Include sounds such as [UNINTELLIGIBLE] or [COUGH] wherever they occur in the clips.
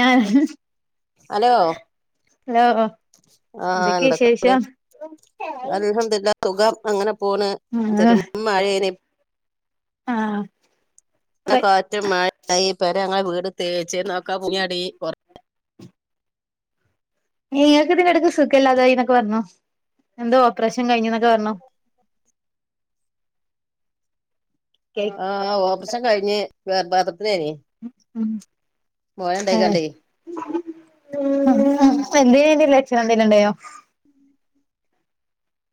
ഞാൻ ഹലോ ആഹ് എന്തൊക്കെ എന്തൊക്കെണ്ട് വിശേഷം അല്ഹംദുലില്ലാഹ് സുഖം അങ്ങനെ പോണ് ആഹ് പെരും മഴേണ് ആഹ് നല്ല അതെ കാറ്റും മഴിം പേരങ്ങളെ വീട് തേച്ചീന്നു അതൊക്കെ പൊളിഞ്ഞാടി കൊ ഇങ്ങക്ക് ഇതിനെടക്ക് സുഖല്ലാതായിന്നൊക്കെ പറഞ്ഞു എന്തോ ഓപ്പറേഷൻ കഴിഞ്ഞുന്നൊക്കെ പറഞ്ഞു കേൾ ആഹ് ഓപ്ഷൻ കഴിഞ് [UNINTELLIGIBLE] ഉം ഉം പോയ ഉണ്ടായിക്കാണ്ടേ ഇപ്പന്തേങ്കിലു [UNINTELLIGIBLE]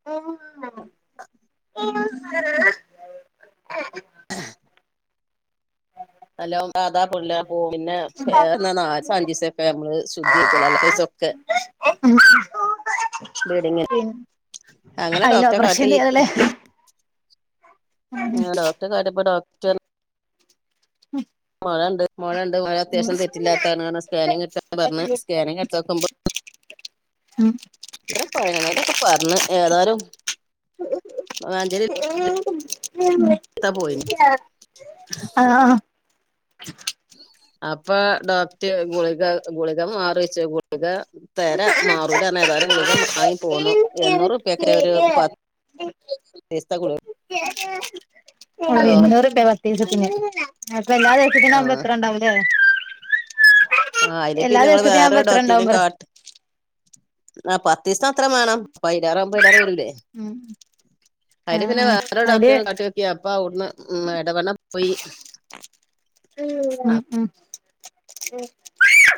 ആ ഓ ആ നല്ലോം സാധാ [UNINTELLIGIBLE] പോവും പിന്നെ ഏഹ് [UNINTELLIGIBLE] നാലീസഞ്ചീസൊക്കെ നമ്മള് ശുദ്ധിയക്കോള്ളു അല്ലാത്ത ദിവസൊക്കെ ബ്ലീഡിങ്ങിന് പി അങ്ങനെ അയില് ഡോക്ടറെ ഓപ്പറേഷൻ കാട്ടി ചെയ്യാറില്ലേ ആഹ് ഡോക്ടറേ കാട്ടിയപ്പോ ഡോക്ടറ് ഉം മൊഴണ്ട് മൊഴണ്ട് മൊഴ അത്യാവശ്യം തെറ്റില്ലാത്താ കാരണം സ്കാനിങ് ഇട്ത്തൊക്കാം പറഞ്ഞ് സ്കാനിങ്ട്ത്തൊക്കുമ്പോ ഉം [UNINTELLIGIBLE] പറഞ്ഞ് ഏതാലും മഞ്ചേരി ത്താ പോയിനി ആഹ് ആഹ് അപ്പൊ ഡോക്ടർ ഗുളിക ഗുളിക മാറിവെച്ച ഗുളിക തരാ മാറൂല്ല ഏതായാലും ഗുളിക വാങ്ങി പോന്നു എണ്ണൂറുപ്പ്യൊക്കെ ഒരു പത്ത് ദിവസത്തെ ഗുളിക [INAUDIBLE] ആ ഓ ഇരുനൂർ രൂപ പത്തു ദിവസത്തിന് അപ്പൊ എല്ലാ ദിവസത്തിന് ആ എത്ര റുപ്യ ഇണ്ടാവും ആ അത് പിന്നെ ഞങ്ങള് ദിവസത്തിനും വേറെ ആവുമ്പോ എത്ര ഉണ്ടാവും ഡോക്ടറെയും പറ കാട്ട് ആ പത്ത് ദിവസതിന് അത്ര വേണം പയിനാറാവുമ്പോ അമ്പതിനായിരം വരൂല്ലേ ഉം അതിന് പിന്നെ ആഹ് വേറെ ആഹ് അയില് ഡോക്ടറ കാട്ടി വെ അപ്പാ അവിടന്ന് ഉ ഇടവണ്ണ പോയി ഉ അ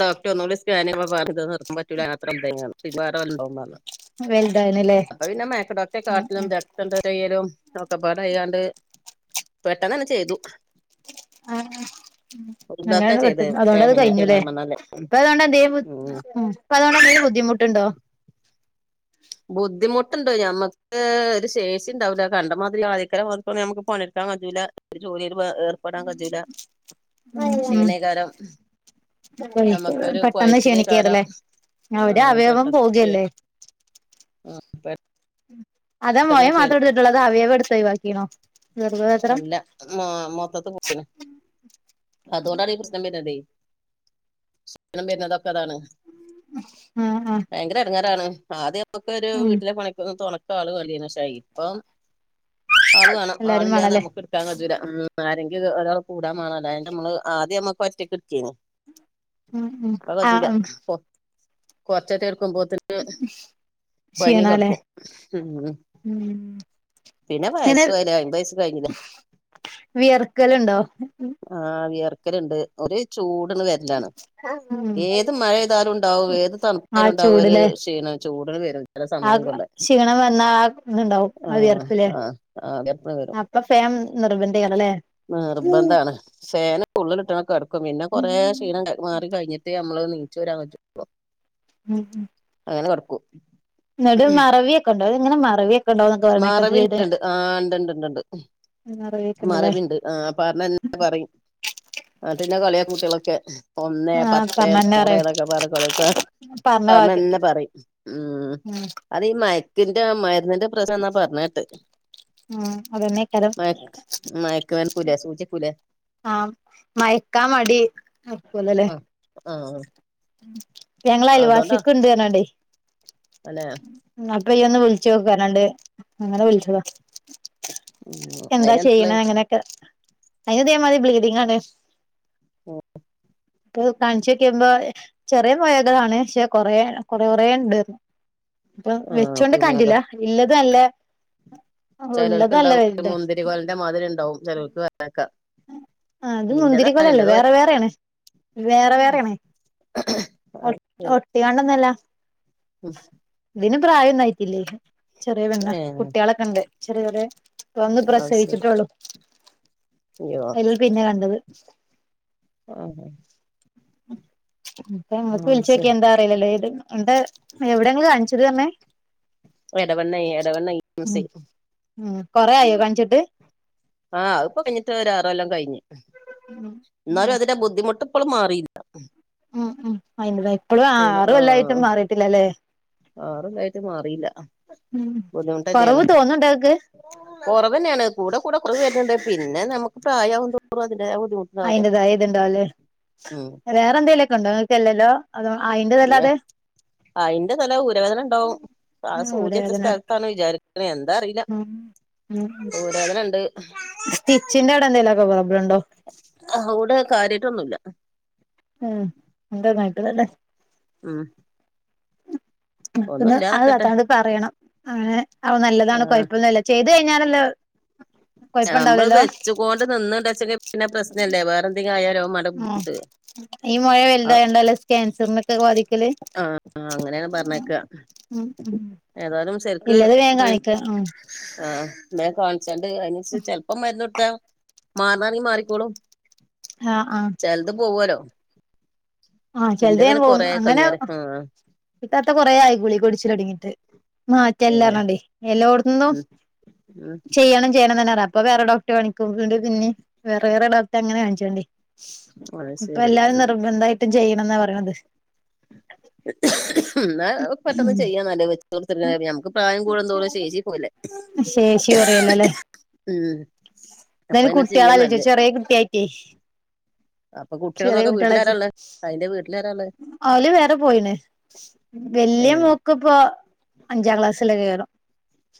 ഡോക്ടറെ ഒന്നൂടെ സ്കാനിങ്ങ് പറഞ്ഞ നിർത്തൻ പറ്റല അത്ര എന്തങ്ങാണ [UNINTELLIGIBLE] വലുതായിനല്ലേ അപ്പപിന്നെ മേഘ ഡോക്ട ഉം ഉം കാട്ടലുംണ്ട് [UNINTELLIGIBLE] ഒക്കെപാട് അയണ്ട് പെട്ടെന്ന് തന്നെ ചെയ്തു ആ ഒരു ഡോക്ടറെ അങ്ങനാണ് പെട്ട ചെയ്തത് ഏഹ് അതുകൊണ്ടത് പിന്നെ കഴിഞ്ഞ അല്ലെ പെരുന്നാൾ മണ്ണല്ലേ അപ്പ അതൊണ്ട് എന്തേലും ഉം അതുകൊണ്ട് എന്തേലും ബുദ്ധിമുട്ടുണ്ടോ ബുദ്ധിമുട്ട്ണ്ട ഞമ്മക്ക് ഒരു ശേഷി ഉണ്ടാവില്ല കണ്ട മാതിരി ആദ്യിക്കര മാ നമുക്ക് പണിയെടുക്കാൻ കഴിയൂല ജോലിയിൽ ഏർപ്പെടാൻ കഴിയൂല ഉം ക്ഷീണകാലം പെട്ടെന്ന് കൊഴച്ചിലേകാരം ക്ഷണിക്കാതല്ലേ ഒരു അവയവം പോകല്ലേ ആ അതെ അതാ മോയമാത്ര എടുത്തിട്ടുള്ള അത അവയവാ എടുത്ത്ഴിവാക്കിണോ അല്ല മ മൊത്തത്ത് പോയിന് അതുകൊണ്ടാണ് ഈ പ്രശ്നം വരണ്ടേ സ്നം വരുന്നതൊക്കെ അതാണ് ആഹ ആഹ് ഭയങ്കര ഇടങ്ങേറാണ് ആദ്യം നമ്മുക്ക് ഒരു ഉം വീട്ടിലെ പണിക്ക് തുണക്ക് ആള് വേണ്ടിയെരുന്നു. പക്ഷെ ഇപ്പം ആള് വേണം ആളി എല്ലാരും വേണല്ലേ നിക്കാൻ കഴിയൂല ആരെങ്കിലും ഒരാൾ കൂടാൻണല്ലോ അതി നമ്മള് ആദ്യം നമ്മുക്ക് ഒറ്റക്ക എടുക്കന് ഉ അത് പറ്റൂല [UNINTELLIGIBLE] എടുക്കുമ്പോത്തിന് കുഴങ്ങി ക്ഷീണല്ലേ കിടക്കും ഉ ഉം പിന്നെ ഇങ്ങനെ പയസല്ല അയിമ്പയസ കഴിഞ്ഞില്ലേ വിയർക്കലുണ്ടോ ആഹ് വിയർക്കലണ്ട് ഒരു ചൂട്ന്ന് വ ഉം ഏത് മഴ പെയ്താലും ഉണ്ടാവും ഏത് തണുപ്പായാ ആ ലും ഉണ്ടാവും ഒരു ചൂടില് ക്ഷീണം ചൂടട്ട് വെരും ആ ക്ഷീണം വന്നാആ ഇതുണ്ടാവും ആ ആഹ് വിയർപ്പ് ലെ ആഹ് ആഹ് വിയർപ്പിന് ഇപ്പൊ ഫാൻനിർബന്ധമാണല്ലേ? നിർബന്ധമാണ് ഫാന് ഉള്ള് ഇട്ട്ങ്ങാണ്ട് കിടക്കും പിന്നെ ഉം കൊറെ ക്ഷീണം മാറി കഴിഞ്ഞിട്ട് നമ്മള് ങ്ങിച്ചു രാൻ പറ്റു ഇപ്പോ. ഉം ഉം അങ്ങനെ കെടക്കും. എന്നിട്ട് മറവിയൊക്കെഉണ്ടോ അത് എങ്ങനെ മറവിയൊക്കെ ഉണ്ടോന്നൊക്കെ പറയണേക്ക ചെയ്ത് മറവിയുണ്ട് ആ ഉണ്ടുണ്ട്ണ്ട് മറവിയൊക്കെണ്ടല്ലേ മറവിയുണ്ട്. ആ പറഞ്ഞന്നെ പറയും. ന്നിട്ട് ഇന്നെ കളിയാക്കും കുട്ടികളൊക്കെ ഒന്ന് ആഹ് പത്ത് പറഞ്ഞന്നെ നൂറേ പറയും എന്നൊക്കെ പറഞ്ഞ്ക്കെ കളി പറഞ്ഞ തന്നെപറയും. ഉം. അത് ഈ മയക്കിന്റെ മരുന്നിന്റെ സാഎന്നാ പറഞ്ഞ് കേട്ട്. ഉം അതന്നെക്കാരം മയ മയക്ക [UNINTELLIGIBLE] സൂചി വെക്കൂലേ ആ മയക്കാൻ മടി ആയി ആയിരിക്കുവല്ലേ? ആ ആ ഞങ്ങളെ അയൽവാസിക്ക് ഇണ്ട് ന്ന് പറഞ്ഞാണ്ടെ അല്ലെ അപ്പൊനീയൊന്ന് വിളിച്ചു നോക്ക് പറഞ്ഞോണ്ട് അങ്ങനെ വിളിച്ചതാ. ഉം എന്താ അയിന് ചെയ്യണേ അങ്ങനെയൊക്കെ. അതിന് ഇതേ മാതിരിബ്ലീഡിങ് ആണ്. ഉം. ഇപ്പൊ കാണിച്ചു നോക്കുമ്പോ ചെറിയ മുഴകളാണ് പക്ഷെ കൊറേ കൊറേ കൊറേ ഉണ്ട് അപ്പം ആഹ് വെച്ചൊണ്ട് നി കാൻ പറ്റൂല കുരുമിനകം ഇല്ലത് നല്ലേ ഇളത് നല്ലവെലുത് എന്റെ മാതിരി ഉണ്ടാവും ചിലൾക്ക് വന്നേക്കാം. ആ അത് മുന്തിരി കൊലല്ല വേറെ വേറെ ആണ്. വേറെ ഒറ്റ വേറെ ആണ്. ഒ ഒട്ടി കോണ്ടന്നു അല്ല. ഇതിന് പ്രായം ഒന്നു ആയിട്ടില്ലേ. ചെറിയ പെണ്ണാ. ഏഹ് കുട്ടികളൊക്കെ ഉണ്ട് ചെറിയ ചെറിയ ന്ന് അത് ശരി പ്രസവിച്ചിട്ടേ ഉള്ളു. അയ്യോ അതില് പിന്നെ കണ്ടത്. ആ ഇപ്പ ഞമ്മക്ക് ആഹ് വിളിച്ച് നോക്കിയാ ശരി എന്താ അറിയില്ലല്ലേ ഇത് എന്താ എവിടെയാ നിങ്ങള് കാണിച്ചത് എന്ന് പറഞ്ഞേ? എടവണ്ണെ എടവണ്ണെ ഉം [UNINTELLIGIBLE] ഉം. കൊറേ ആയോ കണ്ട ആ ഇപ്പം കഴിഞ്ഞട്ട് ഒരാറു കൊല്ലം കഴിഞ്. ഉം എന്നാലും അതിന്റെ ബുദ്ധിമുട്ട് ഇപ്പോളും മാറിയില്ല. ഉം ഉം അയിന്റെ ഇപ്പഴും ആറും കൊല്ലായിട്ടും മാറിട്ടില്ലല്ലേ? ആറു കൊല്ലായിട്ട് മാറിയില്ല. ഉം ബുദ്ധിമുട്ട് കൊറവ് തന്നെയാണ്. തോന്നുന്നുണ്ടോ ഇങ്ങക്ക് കുറവ് തന്നെയാണ് കൂടെ കൂടെ കുറവ് വരുന്നുണ്ട് പിന്നെ നമുക്ക് പ്രായമാകുതോറും അതിന്റെതായ ബുദ്ധിമുട്ട് അയിന്റതായ ഇതുണ്ടാവല്ലേ വേറെ എന്തേങ്കലുമൊക്കെ ഉണ്ടോ ഇങ്ങക്ക് എല്ലല്ലോ അതോ അല്ല അയിന്റതല്ലാതെ അതിന്റെ സ്ഥലം ഊരവേദന ഉണ്ടാവും ആ സൂചി വെച്ച ഊരവേദന സ്ഥലത്ത് ണ് വിചാരിക്കണേ എന്താ അറിയില്ല ഉം ഉം ഊര വേദനണ്ട്. സ്റ്റിച്ചിന്റെ അവിടെ എന്തെലുമൊക്കെ പ്രൊബ്ലളം ഉണ്ടോ. ഔടെ കാര്യട്ടൊന്നുല്ല ഉം എന്തന്നായിട്ടതല്ലേ ഉം. ഒന്നും അപ്പറത്തൂന്ന് ആ ഇല്ലാതൊക്കെ താത്തനോട് പറയണം അങ്ങനെ നല്ലതാണ് കുഴപ്പൊന്നുമില്ല ചെയ്ത് കഴിഞ്ഞാലല്ലോ നമ്മള് കൊഴപ്പുണ്ടാവില്ലല്ലോ വെച്ചുകൊണ്ട് നിന്‌ണ്ടെകില്ചെ കില് അതും പ്രശ്നംല്ലേ പിന്നെ വേറെ എന്തെങ്കിലും ആയാലോ ആ ഈ മുഴ വലുതായ ആ കണ്ടാല് ക്യാൻസറിനൊക്കെ ബാധിക്കല്? ആ അങ്ങനെയാപറഞ്ഞേക്കുക. ഉം ഉം ഇല്ലത് വേഗം കാണിക്ക്‌. ഉം മേ കാണിച്ചാണ്ട് അതിന ചെലപ്പോ മരുന്ന് കൊടുത്ത മാറണ ആണെങ്കി മാറിക്കോളും. ആഹ് ആഹ് ത് പോവോലോ ആഹ് ഇന്റതന്നെ കൊറേ കഴിഞ്ഞാരേ ആഹ് ഇത്താത്ത കൊറേ ആയി ഗുളിഗ കുടിച്ച ലൊടങ്ങിട്ട് മാറ്റല്ലാർ ഏ, ഞ്ഞ്ങ്ങാണ്ടേ എല്ലോ ന്നും ഉം ചെയ്യണം ചെയ്യണം തന്നെർഞ് അപ്പൊ വേറെ ഡോക്ടർ കാണിക്കും വീണ്ടും പിന്നിം വേറേ വേറേ ഡോക്ടറെ അങ്ങനെ കാണിച്ച്ങ്ങാണ്ടേ അത് ശരി ഇപ്പല്ലാം നിർബന്ധായിട്ടും ചെയ്യണംന്നാ പറിണത് ന്നാ പെട്ടെന്ന് ചെയ്യാ ന്നാല് വെ ഉം [UNINTELLIGIBLE] നമുക്ക് പ്രായം കൂടുംന്തോറും ശേഷിപോവല്ലേ ശേഷി ഉം അപ്പൊ തന്നെ ചെയ്യാ [UNINTELLIGIBLE] നല്ലേ ചെറിയേകുട്ട്യാളയ്റ്റേ അപ്പ കുട്ട്യാളെ നോക്കാൻ വീട്ടിലാ രാള്ള് അയിന്റെ വീട്ടിലാരാള്ള് ആ ഓല് വേറെ പോയിണ് വല്യ മോ ക്ക് പ്പോ അഞ്ചാക്ലാസ്സിലെ കെയ്കാരം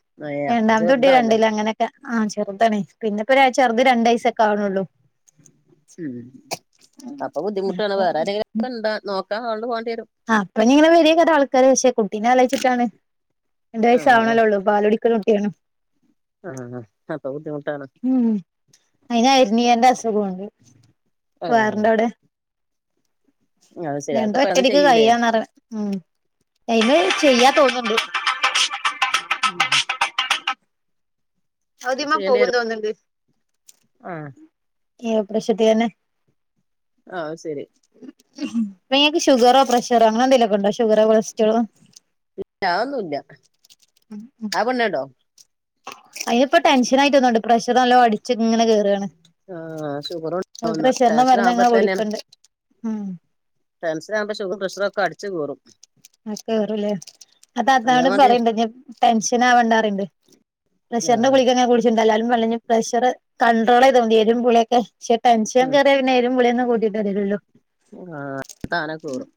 ഏഹ് അപ്പ രണ്ടാമത്തെ കുട്ടി ചെറുതാണല്ലോ രണ്ടില് അങ്ങനെ ആ ചെർതാണ് പിന്നെപ്പം രാ ചെറുത് രണ്ടയ് സൊക്കെവ്ണ്ള്ളൂ ഉം അപ്പൊ ബുദ്ധിമുട്ടാണ് അപ്പൊ വേറെരെങ്കിലുംക്കണ്ട നോക്കാനാള് പോണ്ടിരും ആ അപ്പൊഞ്ഞിങ്ങനെ വരയ്ക്കാരം ആൾക്കാര് പക്ഷെ കുട്ടീനെ ആലോയിച്ചിട്ടാണ് രണ്ടു ആഹ് വയസ്സാവണല്ലോള്ളൂ പാലൂടി ക്കള ട്ടിയാണ് ആഹ് ആഹ് അപ്പബുദ്ധിമുട്ടാണ് ഉം അയിന് എര്നിയന്റെ അസുഖുണ്ട് ആഹ് വയറിന്റെവിടെ അത് ശരി അ ഒറ്റക്ക് കയ്യോന്നറിണ് മ് [INAUDIBLE] ചെയ്യാ തോന്നുന്നുണ്ട് ഉം ചെയ്യേണ്ടി അയ്തിമ്മംപേകും വരും തോന്ന്ണ്ട് ആഹ് ഏ ഓപറഷത്തി എന്നെ അഹ് ശരി [UNINTELLIGIBLE] ഷുഗറോ പ്രഷറോ അങ്ങനെന്തെലുക്കെണ്ടോ ഷുഗറോ കൊളസ്ട്രോളോ അത്‌ന്നില്ല ഉം ഉം [INAUDIBLE] അയ്നിപ്പോ ടെൻഷനായിട്ടാ ന്ന്ണ്ട് പ്രഷർ നല്ലോ അടിച്ചിങ്ങനെ കേറ് ആഹ് ഷുഗറുണ്ടാവുന്ന പ്രഷർന്റെ ടെൻഷൻ ആവുമ്പോ മരന്നങ്ങനെ കുടിക്ക്ണ്ട് ടെൻഷനാകുമ്പോ ഷുഗറും പ്രഷർ ഒക്കെ അടിച്ച് കേറും ആ കേറും ല്ലേ ആ താത്താനോട് അതേമാതിരി പറിണ്ട് ഞ്ഞ് ടെൻഷനാവണ്ടാറിണ്ട് പ്രഷറ്ന്റെ ആഹ് കുളിഗങ്ങനെ കു [UNINTELLIGIBLE] പ്രഷർ കണ്ടട്രോളയ്തോണ്ടി എരും പുളിയൊക്കെ പക്ഷെ ടെൻഷൻ കേറിയാ പി ന്ന് എരും പുളിയൊന്നും കൂട്ടി ട്ടാ തെ രെള്ളു ആഹ് താനെ കേറും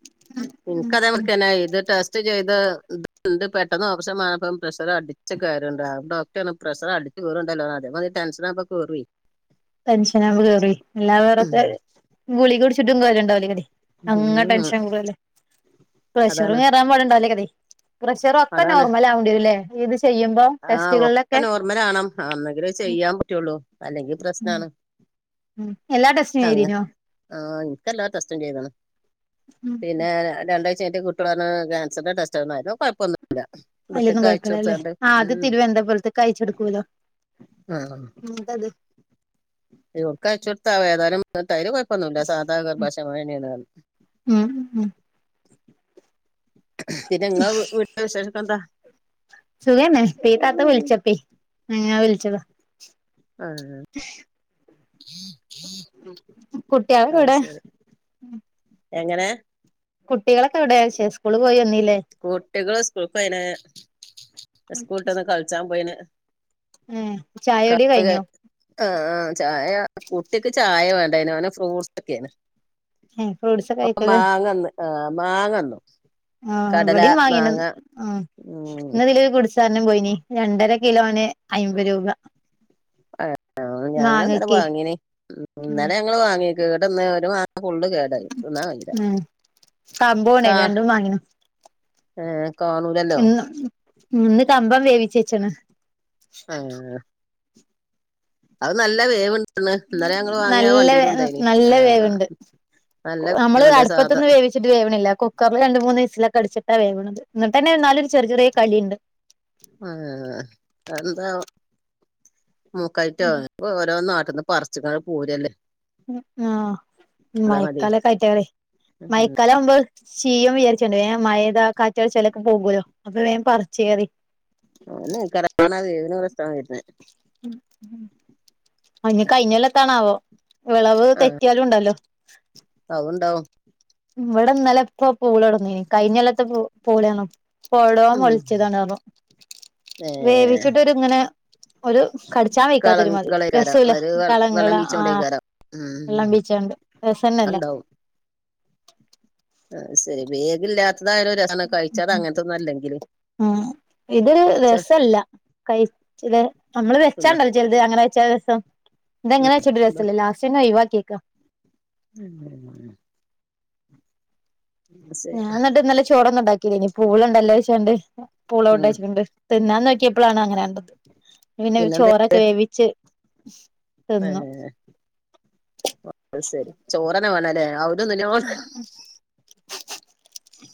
ഇൻക്കതെമാര്ക്കന്നെ ഇത് ട്ടസ്റ്റ് റ്റ് ചെയ്ത് ത് പെട്ടെന്ന് ഓപ്പറ ഷം മാണെപ്പം പ്രഷർ അടിച് കേറ്ണ്ട്‌ ഡോക്ടറർഞ്ഞ് പ്രഷർ അടി ഷുകറുണ്ടല്ലോ അതേമാരി ടെൻഷനവുമ്പം കേറോയ് പെൻഷനാകുമ്പ കേറി അല്ലാ വേറ് തെ ഗുളിക കുടിച്ചുട്ടും കാര്യണ്ടാലേ കാരെ അങ്ങ ഉം ടെൻഷൻ കേറല്ലേ പ്രഷറ് അതാണ് കേറാൻ പാട് ണ്ടാലേയ്കാരേ പ്രഷർ ഒക്കെ അതാണ് നോർമല് ആ വണ്ടിരുല്ലേ ഇത് ചെയ്യുമ്പോ ആഹ് ഒക്കെ ടെസ്റ്റുകളിലൊക്കെ നോർമലാണം അ ന്നെങ്കിലേ ചെയ്യാൻ പറ്റുള്ളൂ അല്ലെങ്കി പ്രശ്നാണ് ഉം എല്ലാ ടെസ്റ്റും അങ്ങ് ചെയ്തിനോ ആഹ് ഇൻക്ക് എല്ലാ ടെസ്റ്റും ചെയ്ത്ണ് പിന്നെ രണ്ടായ് [UNINTELLIGIBLE] കുട്ടിളർ ഞ്ഞ കാൻസറിന്റെ ടെസ്റ്റ്ന്നർഞ്ഞു അയ്ലുന്നു കുഴപ്പൊന്നുല്ല അയ്ല്ലൊന്നും കോഴപ്പല്ല അല്ലേ. ആഹ് അത് തിരുവനന്തപുരത്ത്ക്ക് അയച്ചെടുക്കല്ലോ ഇന്ന്ട്ട് അത്. ക്കച്ചുടുത്ത ഏതാനും തൈയ്ല് കുഴപ്പൊന്നുല്ല സാധാ ഗർഭാശയമുഴ തന്നെയാണ്. [INAUDIBLE] പിന്നെ നിങ്ങളെ വീട്ടിലെ വിശേഷക്കൻന്താ. സുഖന്നെ പീതാത്ത വിളച്ചപ്പെ അങ്ങന വിളച്ചതാ. ആഹ്. ശ്. കുട്ടിയൾഒക്കെ അത് എവ്ടെ. ശരി എങ്ങനെ. കുട്ടികളൊക്കെ എവിടെയെ [UNINTELLIGIBLE] സ്കൂള് പോയി വന്നീല്ലേ? കുട്ടികൾ സ്കൂൾക്ക് പോയ്ന്ന് സ്കൂള് വീട്ട് വന്ന് കളിച്ചാൻ പോയിന്. ഏ ചായയോടി കഴിഞ്ഞോ? ആഹ് ആഹ് ചായ കുട്ടിക്ക് ചായ വേണ്ടായിനു അവൻ ഫ്രൂട്ട്സ് ഒക്കെന്. ഏ ഫ്രൂട്ട്സ് ഒക്കെ ഇപ്പോ കഴിക്കല് മാങ്ങന്ന് ആഹ് മാങ്ങന്നു ആഹ് കടല ഇവിടെയും മാങ്ങ വാങ്ങീണ്ന്ന് ആഹ് ഉം ഇന്ന് ഇത്തിലൊരു കുട്സെരാൻ പോയിനി രണ്ടര കിലോന്ന്. അയ്മ്പ രൂപ മാങ്ങക്കെ ഉം ഇങ്ങൾ വാങ്ങിയോ കേടന്ന് ഒരുവ ഫുള്ള് കേടായിതിന്നാൻ കാഴിഞ്ഞില്ല. ഉം ക്ക കമ്പോണേ രണ്ടും വാങ്ങിണ് ആഹ് കാണു ഇന്ന് ഇന്ന് കമ്പം വേവിച്ച് വെച്ച്ണ്. ആഹ്. അത് നല്ല വേവ്ണ്ടന്ന് ഇന്നലെ ഞങ്ങള് വാങ്ങിയ നല്ല വണ്ടിയിൽ ഉണ്ടായിനി നല്ല ആഹ്. വേവുണ്ട് നമ്മള് അടുപ്പത്തിന്ന് വേവ ച്ചിട്ട് വേവണില്ല കുക്കറിൽ രണ്ട് മൂന്ന് വിസൽലൊക്ക അടിച്ചിട്ടാ വേവ്ണത് എന്നിട്ട്ന്ന എന്നാലും ചെറിയ ചെറിയ കലിയുണ്ട്. അതെ അതെ അത് എന്താ മുക്കായിറ്റ ഓരോ നാട്ന്ന് പറച്ച്കാണ്ട് പോരല്ലേ. ആഹ് മതി മഴക്കാലക്കെ ആയിട്ടാണ് മഴ കലകുമ്പോ ചീയും വിചാരിച്ചട്ടാണ്ട് വോം മഴപെയ്താൽ കാറ്റടിച്ചല്ലൊക്കെ പോകല്ലോ അപ്പൊ വേൻ പറച്ച് കേറി. അതന്നെയായിക്കാരം അതാണ് ആ വേവിൻ പ്രശ്നം വേര്ന്നെ അയ്ന്ന് കഴിഞ്ഞല്ലത്തണാവോ വിളവ് തെറ്റിയാലും ഉണ്ടല്ലോ? അഉണ്ടാവും. ഇവിടെന്നലെ ഇപ്പ പൂള കൊടുന്നിന്ന് കഴിഞ്ഞകൊല്ലത്തെ പൂ പൂളാണോ. പോടോം ഉം വളിച്ചതന്ന പറഞ്ഞു ഏ വേവിച്ചിട്ടോരിങ്ങനെ ഒരു. കടിച്ചാൻ വെയ്ക്കാത്തോരു മതിരി കളങ്കളേക്കാരം രസഉല്ല ഒരു വെള്ളം കളങ്ങളെ ആഹ്. ബീച്ചോണ്ടേക്കാരം വെള്ളാം ഉം അബിച്ച്ക്കാണ്ട് രാസന്നല്ല. അഹ് ശരി വേവില്ലാത്തതായാലും രസാണ് കഴിച്ചാ അങ്ങനത്തൊന്നും അല്ലെങ്കില് ഉം ഇതൊരു രസല്ല കഴിച്ചില് നമ്മള് തിന്ന വെച്ചാണ്ടല്ലോ. ചിലത് അങ്ങനെവേച്ച രസം ഇത് യെങ്ങനെവേച്ചിട്ടും രസംല്ല ലാസ്റ്റ് യെന്നെ ഒഴവാക്കിക്കാ. [UNINTELLIGIBLE] ശരി ഞാൻ ഇന്നിട്ട് ഇന്നലെ ചോറൊന്നും ഉണ്ടാക്കില്ലന്ന് പൂള ഉണ്ടല്ലോ വിചാരിചാണ്ട്. പൂള ഉം കോണ്ടാച്ചിട്ടുണ്ട് തിന്നാന്ന് നോക്കിയപ്പോഴാണ് അങ്ങനെ കണ്ടത് പിന്നെ പിന്നെന്ത് ചോറ്. വേവിച്ച്. ഏ തിന്നു അത് ശെരി ചോറനെ വേണല്ലേ അവുധിതന്നെയ്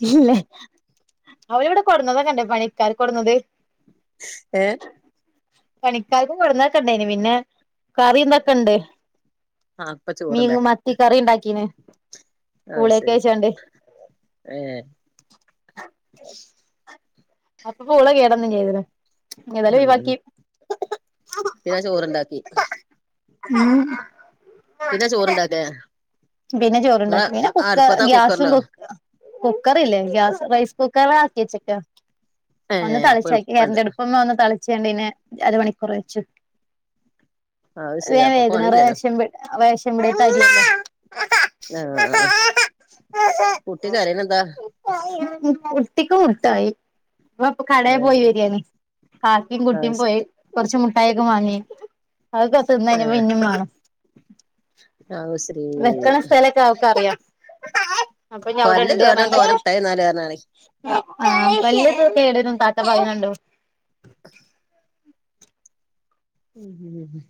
ഇല്ല അവര് ഇവിടെ കൊടന്നതൊക്കെണ്ട് പണിക്കാർക്ക് കൊടന്നത് ഏഹ്. പണിക്കാർക്ക് കൊണ്ട്ന്നത് ഒക്കെ ഇൻ ട്ടെയ്ൻ പിന്നെ കറിം വെക്കണ്ടേ ആ അപ്പൊ മീൻ മത്തി കറി ഉണ്ടാക്കീന്. പൂളയൊക്കെ ഐശെരി വെച്ചാണ്ട് ഏഹ്. അപ്പൊ പൂള കേട്ന്നും ചെയ്തല്ലെ. ഏതയാലും ഉം ഒഴിവാക്കി പിന്നെ ചോറുണ്ടാക്കി ഉം. പിന്നെ ചോറ്ണ്ടാക്കേ പിന്നെ ചോറണ്ടാക്കി പിന്നെ കുക്ക ഗ്യാസും കുക്കറിലോ കുക്ക് കുക്കറില്ലേ ഗ്യാസ് റൈസ് കുക്കറിൽ ആക്കിച്ചക്ക. ഏ ഒന്ന് അപ്പൊ തളിച്ച എളുപ്പണ്ട് കരന്റ് അടുപ്പ്മേ ഒന്ന് തളിച്ചണ്ട് ന്നെ അര മണിക്കൂർ വെച്ചു അത് ശരി വേം അപ്പൊ വേഗണ പണിയില്ലല്ലോ റേശം റേശംപിടിയത്തെ അരി അല്ലെ ആഹ് ആഹ് ആഹ് കുട്ടി കരയ്ണെ എന്താ കുട്ടിക്ക് മുട്ടായി അ പ്പൊ കടയിൽ ഏ പോയി വരിയാണ്. കാക്കയും അത് കുട്ടിയും ശ പോയി കൊറച്ച് മുട്ടായി ഒക്കെ വാങ്ങി, അതൊക്കെ തിന്ന് കഴിഞ്ഞപ്പോ ഇഞ്ഞും മാണം ആഹ് [UNINTELLIGIBLE] വെക്കണ സ്ഥലൊക്കെ അവക്ക് അറിയാം അപ്പൊ ഞ് അവിടെ പല്ല് ണ്ട്ന്ന് കേടാൻ പറഞ്ഞാണ്ട് തോനെ മുട്ടായി തിന്നാല് പറഞ്ഞാണെ ആ പല്ല് കേടരും താത്ത പറയ്ണെ കണ്ടു ഉം ഉം